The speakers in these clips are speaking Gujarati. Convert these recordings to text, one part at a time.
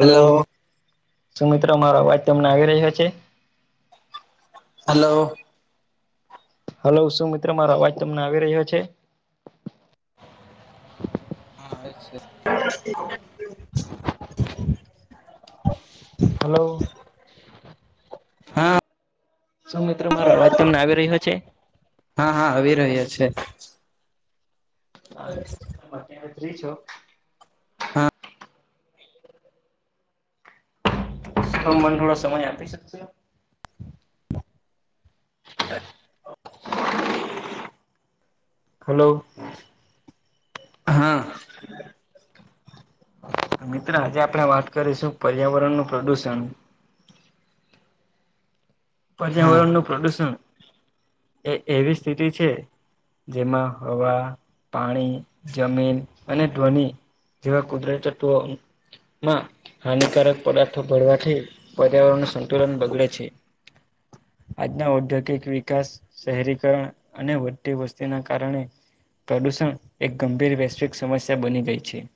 હલો સુમિત્રો મારો અવાજ તમને આવી રહ્યો છે. હલો હલો, શું મિત્ર મારો અવાજ તમને આવી રહ્યો છે. હા, અછ હલો હા શું મિત્રો મારો અવાજ તમને આવી રહ્યો છે. હા હા આવી રહ્યો છે. હા અત ફ્રી છો. હા હ મને થોડાો સમય આપી શકશો હલો હા મિત્ર આજે આપણેે વાત કરીશું પર્યાવરણ નું પ્રદુષણ હા પર્યાવરણ નું પ્રદુષણ એ એવી સ્થિતિ છે. જેમાં હવા પાણી જમીન અને ધ્વનિ જે કુદરતી ચટુ માં હાનિકારક પદાર્થો ભળવાથી પર્યાવરણ સંતુલન બગડે છે. આજના ઔદ્યોગિક વિકાસ શહેરીકરણ અને વતી વસ્તીના કારણે પ્રદૂષણ એક ગંભીર વૈશ્વિક સમસ્યા બની ગઈ છે.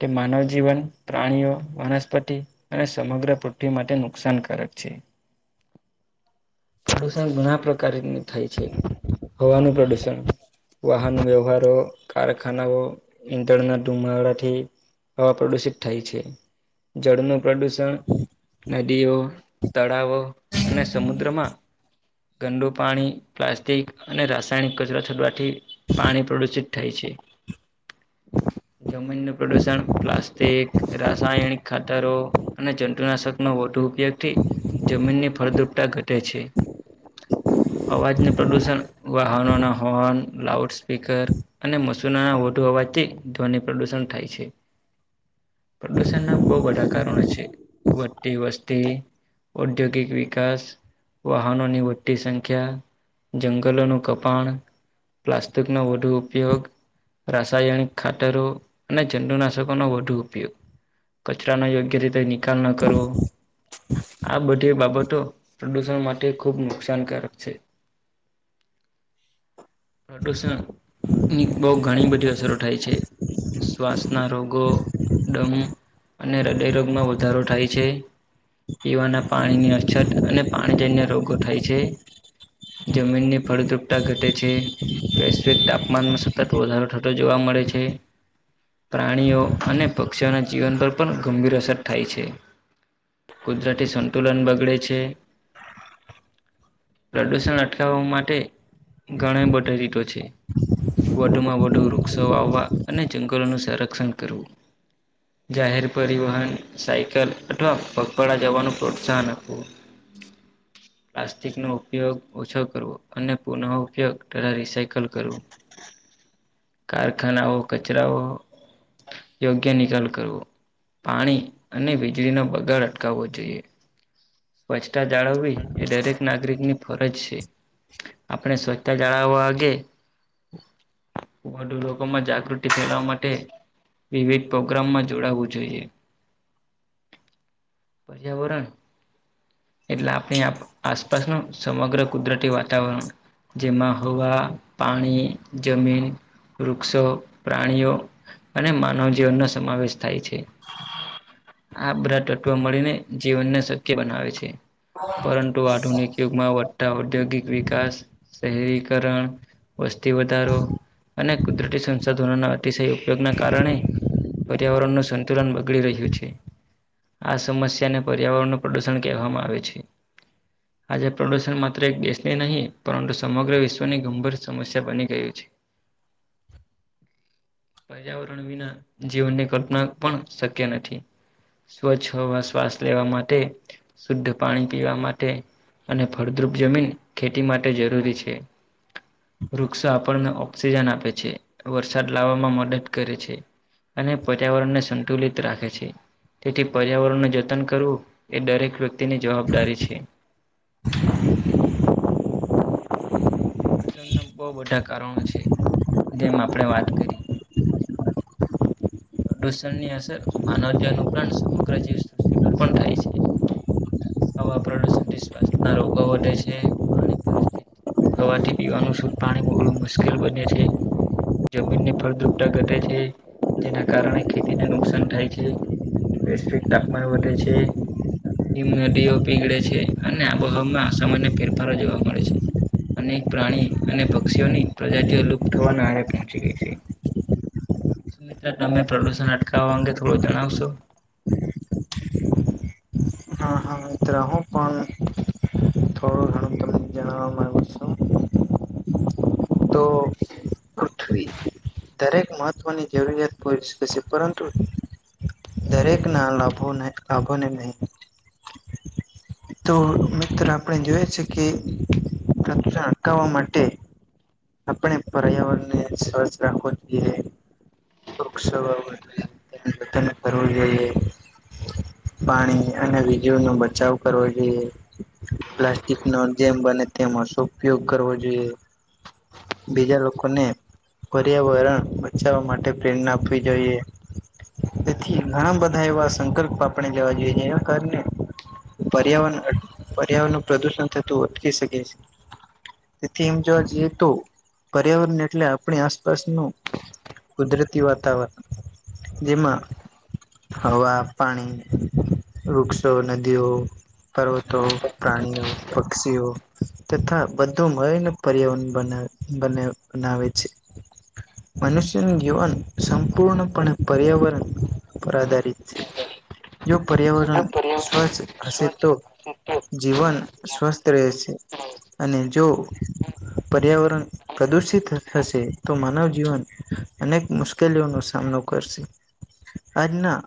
કે માનવ જીવન પ્રાણીઓ વનસ્પતિ અને સમગ્ર પૃથ્વી માટે નુકસાનકારક છે. પ્રદુષણ ઘણા પ્રકારનું થાય છે, હવાનું પ્રદુષણ વાહન વ્યવહારો કારખાનાઓ ઇંધણના ધુમાવડાથી હવા પ્રદુષિત થાય છે. જળનું પ્રદુષણ નદીઓ તળાવો અને સમુદ્રમા ગંંદુ પાણી પ્લાસ્ટિક અને રાસાયણિક કચરો છડવાથી. પાણી પ્રદુષિત થાય છે. જમીનનું પ્રદુષણ પ્લાસ્ટિક રાસાયણિક ખાતરો. અને જંતુનાશક નો વધુ ઉપયોગથી. જમીનની ફળદુપતા ઘટેે છે. અવાજનું પ્રદુષણ વાહનોના હોર્ન લાઉડ સ્પીકર. અને મશૂનાના વધુ હોવાથી ધ્વનિ પ્રદુષણ થાય છે. પ્રદૂષણના બહુ બધા કારણો છે, વધતી વસ્તી ઔદ્યોગિક વિકાસ વાહનોની મોટી સંખ્યા જંગલોનું કપાણ પ્લાસ્ટિકનો વધુ ઉપયોગ રાસાયણિક ખાતરો અને જંડુનાશકોનો વધુ ઉપયોગ. કચરા ન યોગ્ય રીતે નિકાલ ન કરવો આ બધી બાબતો પ્રદુષણ માટે ખુબ નુકસાનકારક છે. પ્રદૂષણની બહ ઘણી બધી અસરો થાય છે. શ્વાસના રોગો ડમ અને હૃદયરોગમાં વધારો થાય છે. પીવાના પાણીની અછત અને પાણીજન્ય રોગો થાય છે. જમીનની ફળદ્રુપતા ઘટે છે. વૈશ્વિક તાપમાનમાં સતત વધારો થતો જોવા મળે છે. પ્રાણીઓ અને પક્ષીઓના જીવન પર પણ ગંભીર અસર થાય છે. કુદરતી સંતુલન બગડે છે. પ્રદૂષણ અટકાવવા માટે ઘણ બધી રીટો છે. વધુમાં વધુ વૃક્ષો આવવા અને જંગલોનું સંરક્ષણ કરવું. જાહેર પરિવહન સાયકલ અથવા પગ. પાળા જવાનું પ્રોત્સાહન આપવું. પ્લાસ્ટિક નો ઉપયોગ ઓછો કરવો અને પુનઃઉપયોગ તથા રિસાયકલ કરવો. [unintelligible] કારખાનાઓ કચરાઓ. યોગ્ય નિકાલ કરવો પાણી અને વીજળીનો બગાડ અટકાવવો જોઈએ. સ્વચ્છતા જાળવવી એ દરેક નાગરિકની ફરજ છે. આપણે સ્વચ્છતા જાળવવાગે. વધુ લોકો માં જાગૃતિ ફેલાવા માટે. વિવિધ પ્રોગ્રામમાં જોડાવું જોઈએ. પર્યાવરણ. એટલે આપણી આસપાસનું સમગ્ર કુદરતી વાતાવરણ. જેમાં હવા, પાણી, જમીન, વૃક્ષો, પ્રાણીઓ. અને માનવ જીવનનો સમાવેશ થાય છે. આ બધા તત્વો મળીને જીવનને શક્ય બનાવે છે, પરંતુ આધુનિક. યુગમાં વધાતા ઔદ્યોગિક વિકાસ શહેરીકરણ વસ્તી વધારો. અને કુદરતી સંસાધનોના અતિશય ઉપયોગના કારણે. પર્યાવરણનું સંતુલન બગડી રહ્યું છે આ સમસ્યાને પર્યાવરણનું પ્રદુષણ. કહેવામાં આવે છે. આજે પ્રદૂષણ માત્ર એક દેશની નહીં પરંતુ સમગ્ર વિશ્વની ગંભીર સમસ્યા બની ગયું છે. [unintelligible] પર્યાવરણ વિના જીવનની કલ્પના પણ શક્ય નથી. સ્વચ્છ હવા શ્વાસ લેવા માટે શુદ્ધ પાણી પીવા માટે. અને ફળદ્રુપ જમીન ખેતી માટે જરૂરી છે. વૃક્ષો આપણને ઓક્સિજન આપે છે વરસાદ લાવવામાં મદદ કરે છે. અને પર્યાવરણ ને સંતુલિત રાખે છે. તેથી પર્યાવરણને જતન કરવું એ દરેક વ્યક્તિની જવાબદારી છે. પ્રદૂષણના બહુ બધા કારણો છે, જેમ આપણે વાત કરી. પ્રદૂષણની અસર માનવ જીવન ઉપરાંત સમગ્ર જીવ સૃષ્ટિ પર પણ થાય છે. હવા પ્રદુષણ થી સ્વાથ્ય ના રોગો વધે છે પાણી. થવાથી પીવાનું શુદ્ધ પાણી મળવું મુશ્કેલ બને છે. જમીન ની ફળદ્રુપતા ઘટે છે જેના કારણે ખેતીને નુકસાન થાય છે વૈશવિક તાપમાન વધે છે નદીઓ પીગળે છે અને આબોહવામાં સામાન્ય ફેરફારો જોવા મળે છે. અનેક પ્રાણી અને પક્ષીઓની પ્રજાતિઓ લુપ્ત થવાના આરે પહોંચી ગઈ છે. મિત્ર તમે પ્રદુષણ અટકાવવા અંગે થોડું જણાવશો. હા મિત્ર હું પણ. થોડું ઘણું તમને જણાવા માંગુ છું. તો પૃથ્વી દરેક મહત્વની જરૂરિયાત પુરી શકેશે પરંતુ દરેક ના લાભો લાભો ને નહીં તો મિત્ર આપણે જોઈએ છે કે લક્ષણ અટકાવવા માટે આપણે પર્યાવરણને સ્વચ્થ રાખવો જોઈએ વૃક્ષભધને પવ જો પાણી અને વીજળી નો બચાવ કરવો જોઈએ પ્લાસ્ટિક ન જેમ બને તેમાં ઉપયોગ કરવો જોઈએ બીજા લોકોને પર્યાવરણ બચાવવા માટે પ્રેરણા આપવી જોઈએ તેથી ઘણા બધા એવા સંકલ્પ આપણે જવા જોઈએ છે એ કારને પર્યાવરણ પર્યાવરણ નુ ઉપ્રદુષણ થતું અટકી શકે તેથીમ જો જેતુ પર્યાવરણ એટલે આપણી આસપાસનું કુદરતી વાતાવરણ જેમાં હવા પાણી વૃક્ષો નદીઓ પર્વતો પ્રાણીઓ પક્ષીઓ તથા બધું મળેને પર્યાવરણ બને બને બનાવેવ છે મનુષ્યનું જીવન સંપૂર્ણપણે પર્યાવરણ પર આધારિત છે [unintelligible] [inaudible] જો પર્યાવરણ સ્વચ્છ હશે તો જીવન સ્વસ્થ રહે છે અને જો પર્યાવરણ પ્રદુષિત થશે તો માનવ જીવન અનેક મુશ્કેલીઓનો સામનો કરશે [inaudible] [inaudible] આજના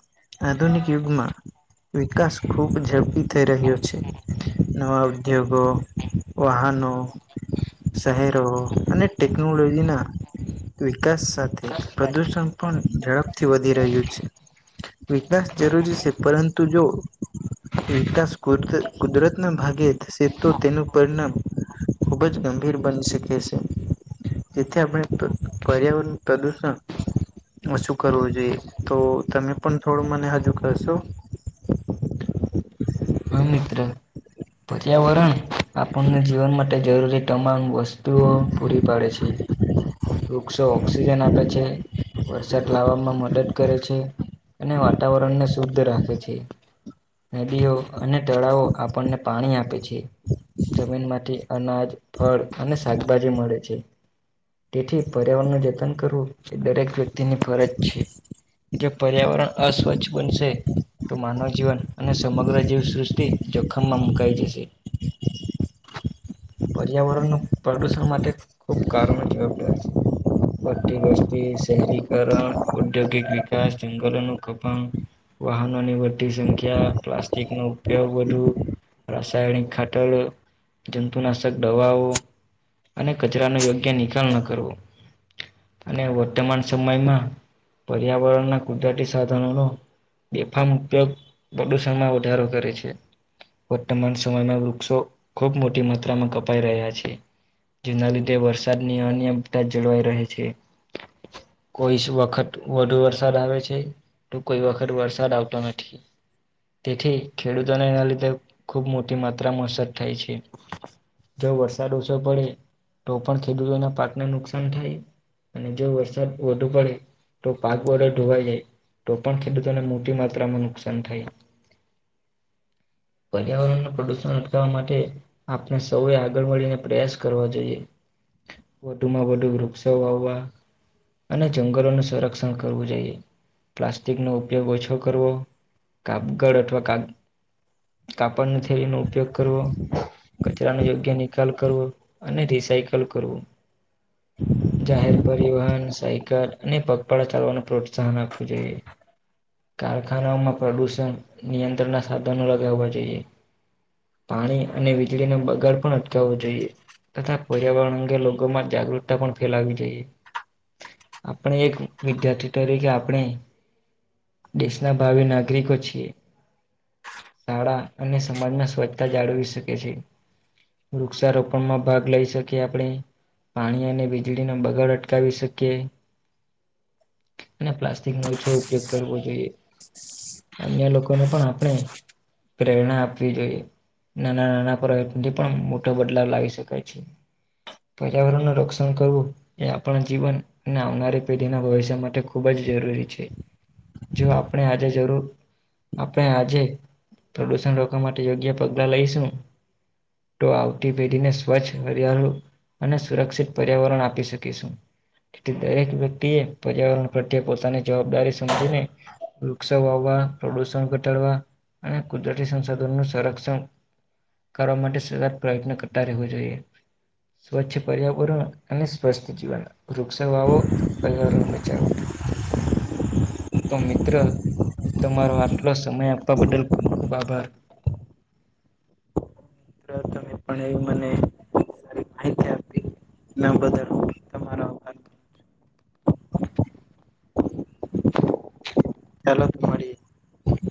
આધુનિક યુગમાં વિકાસ ખૂબ ઝડપી થઈ રહ્યો છે નવા ઉદ્યોગો વાહનો શહેરો અને અને ટેકનોલોજીના વિકાસ સાથે પ્રદુષણ પણ ઝડપથી વધી રહ્યું છે વિકાસ જરૂરી છે પરંતુ જો વિકાસ કૂદ કુદરતના ભાગે થશે તો તેનું પરિણામ ખુબ જ ગંભીર બની શકે છે જેથી આપણે પર પર્યાવરણ પ્રદૂષણ ઓછું કરવું જોઈએ તો તમે પણ થોડું મને હજુ કહેશો હા મિત્ર પર્યાવરણ આપણને જીવન માટે જરૂરી તમામ વસ્તુઓ પૂરી પાડે છે [inaudible] વૃક્ષો ઓક્સિજન આપે છે વરસાદ લાવવામાં મદદ કરે છે અને વાતાવરણને શુદ્ધ રાખે છે નદીઓ અને તળાવઓ આપણને પાણી આપે છે જમીનમાંથી અનાજ ફળ અને શાકભાજી મળે છે તેથી પર્યાવરણને જતન કરવું એ દરેક વ્યક્તિની ફરજ છે કે પર્યાવરણ અસ્વચ્છ બનશે તો માનવ જીવન અને સમગ્ર જીવસૃષ્ટિ જોખમમાં મુકાઈ જશે પર્યાવરણ નો પ્રદુષણ માટે ખુબ કારણો જવાબદાર છે બઢતી વસ્તી શહેરીકરણ ઔદ્યોગિક વિકાસ જંગલોનું કપન વાહનોની વધી સંખ્યા પ્લાસ્ટિક નો ઉપયોગ વધુ રાસાયણિક ખાતર જંતુનાશક દવાઓ અને કચરાનો યોગ્ય નિકાલ ન કરવો અને વર્તમાન સમયમાં પર્યાવરણના કુદરતી સાધનોનો બેફામ ઉપયોગ પ્રદુષણમાં વધારો કરે છે વર્તમાન સમયમાં વૃક્ષો ખુબ મોટી માત્રામાં કપાઈ રહ્યા છે જેના લીધે વરસાદની અન્યતા જળવાઈ રહે છે કોઈ સ વખત વધુ વરસાદ આવે છે તો કોઈ વખત વરસાદ આવતો નથી તેથી ખેડૂતોને એના લીધે ખૂબ મોટી માત્રામાં અસર થાય છે જો વરસાદ ઓછો પડે તો પણ ખેડૂતોના પાકને નુકસાન થાય અને જો વરસાદ વધુ પડે તો પાક બધા ધોવાઈ જાય તો પણ ખેડૂતોને મોટી માત્રામાં નુકસાન થાય [inaudible] પર્યાવરણનું પ્રદુષણ અટકાવવા માટે આપણે સૌએ આગળ મળીને પ્રયાસ કરવા જોઈએ વધુમાં વધુ વૃક્ષો વાવવા અને જંગલોનું સંરક્ષણ કરવું જોઈએ પ્લાસ્ટિકનો ઉપયોગ ઓછો કરવો કપગળ અથવા કાગ કાપડની થેલીની ઉપયોગ કરવો કચરાનો યોગ્ય નિકાલ કરવો અને રિસાયકલ કરવું જાહેર પરિવહન સાયકલ અને પગપાળા ચાલવાનું પ્રોત્સાહન આપવું જોઈએ કારખાનાઓમાં પ્રદુષણ નિયંત્રણના સાધનો લગાવવા જોઈએ પાણી અને વીજળીના બગાડ પણ અટકાવવો જોઈએ તથા પર્યાવરણ અંગે લોકોમાં જાગૃતતા પણ ફેલાવી જોઈએ આપણે એક વિદ્યાર્થી તરીકે આપણે દેશના ભાવી નાગરિકો છીએ શાળા અને સમાજમાં સ્વચ્છતા જાળવી શકે છે વૃક્ષારોપણમાં ભાગ લઈ શકે કે આપણે પાણી અને વીજળીનો બગડ અટકાવી શકીએ અને પ્લાસ્ટિક નો ઓછો ઉપયોગ કરવો જોઈએ અન્ય લોકોને પણ આપણે પ્રેરણા આપવી જોઈએ નાના નાના પ્રયત્નથી પણ મોટો બદલાવ લાવી શકાય છે પર્યાવરણ નું રક્ષણ કરવું. એ આપણા જીવન અને આવનારી પેઢીના ભવિષ્ય માટે ખૂબ જ જરૂરી છે. જો આપણે આજે જરૂર આપણે આજે પ્રદુષણ રોકવા માટે યોગ્ય પગલા લઈશું તો આવતી પેઢી ને સ્વચ્છ અને સુરક્ષિત પર્યાવરણ આપી શકીશું કે દરેક વ્યક્તિએ પર્યાવરણ પ્રત્યે પોતાની જવાબદારી સમજીને વૃક્ષો વાવવા પ્રદુષણ ઘટાડવા અને કુદરતી સંશધનનું સંરક્ષણ કરવા માટે સતત પ્રયત્ન કરતા રહેવો જોઈએ સ્વચ્છ પર્યાવરણ અને સ્વસ્થ જીવન વૃક્ષ વાવો પર્યાવરણ બચાવો. [inaudible] તો મિત્ર તમારો આટલો સમય આપવા બદલ ખુબ ખુબ આભાર તમે પણ એવી મને સ માહિતી આપી ના બદલ તમારો અભા ચલા મળી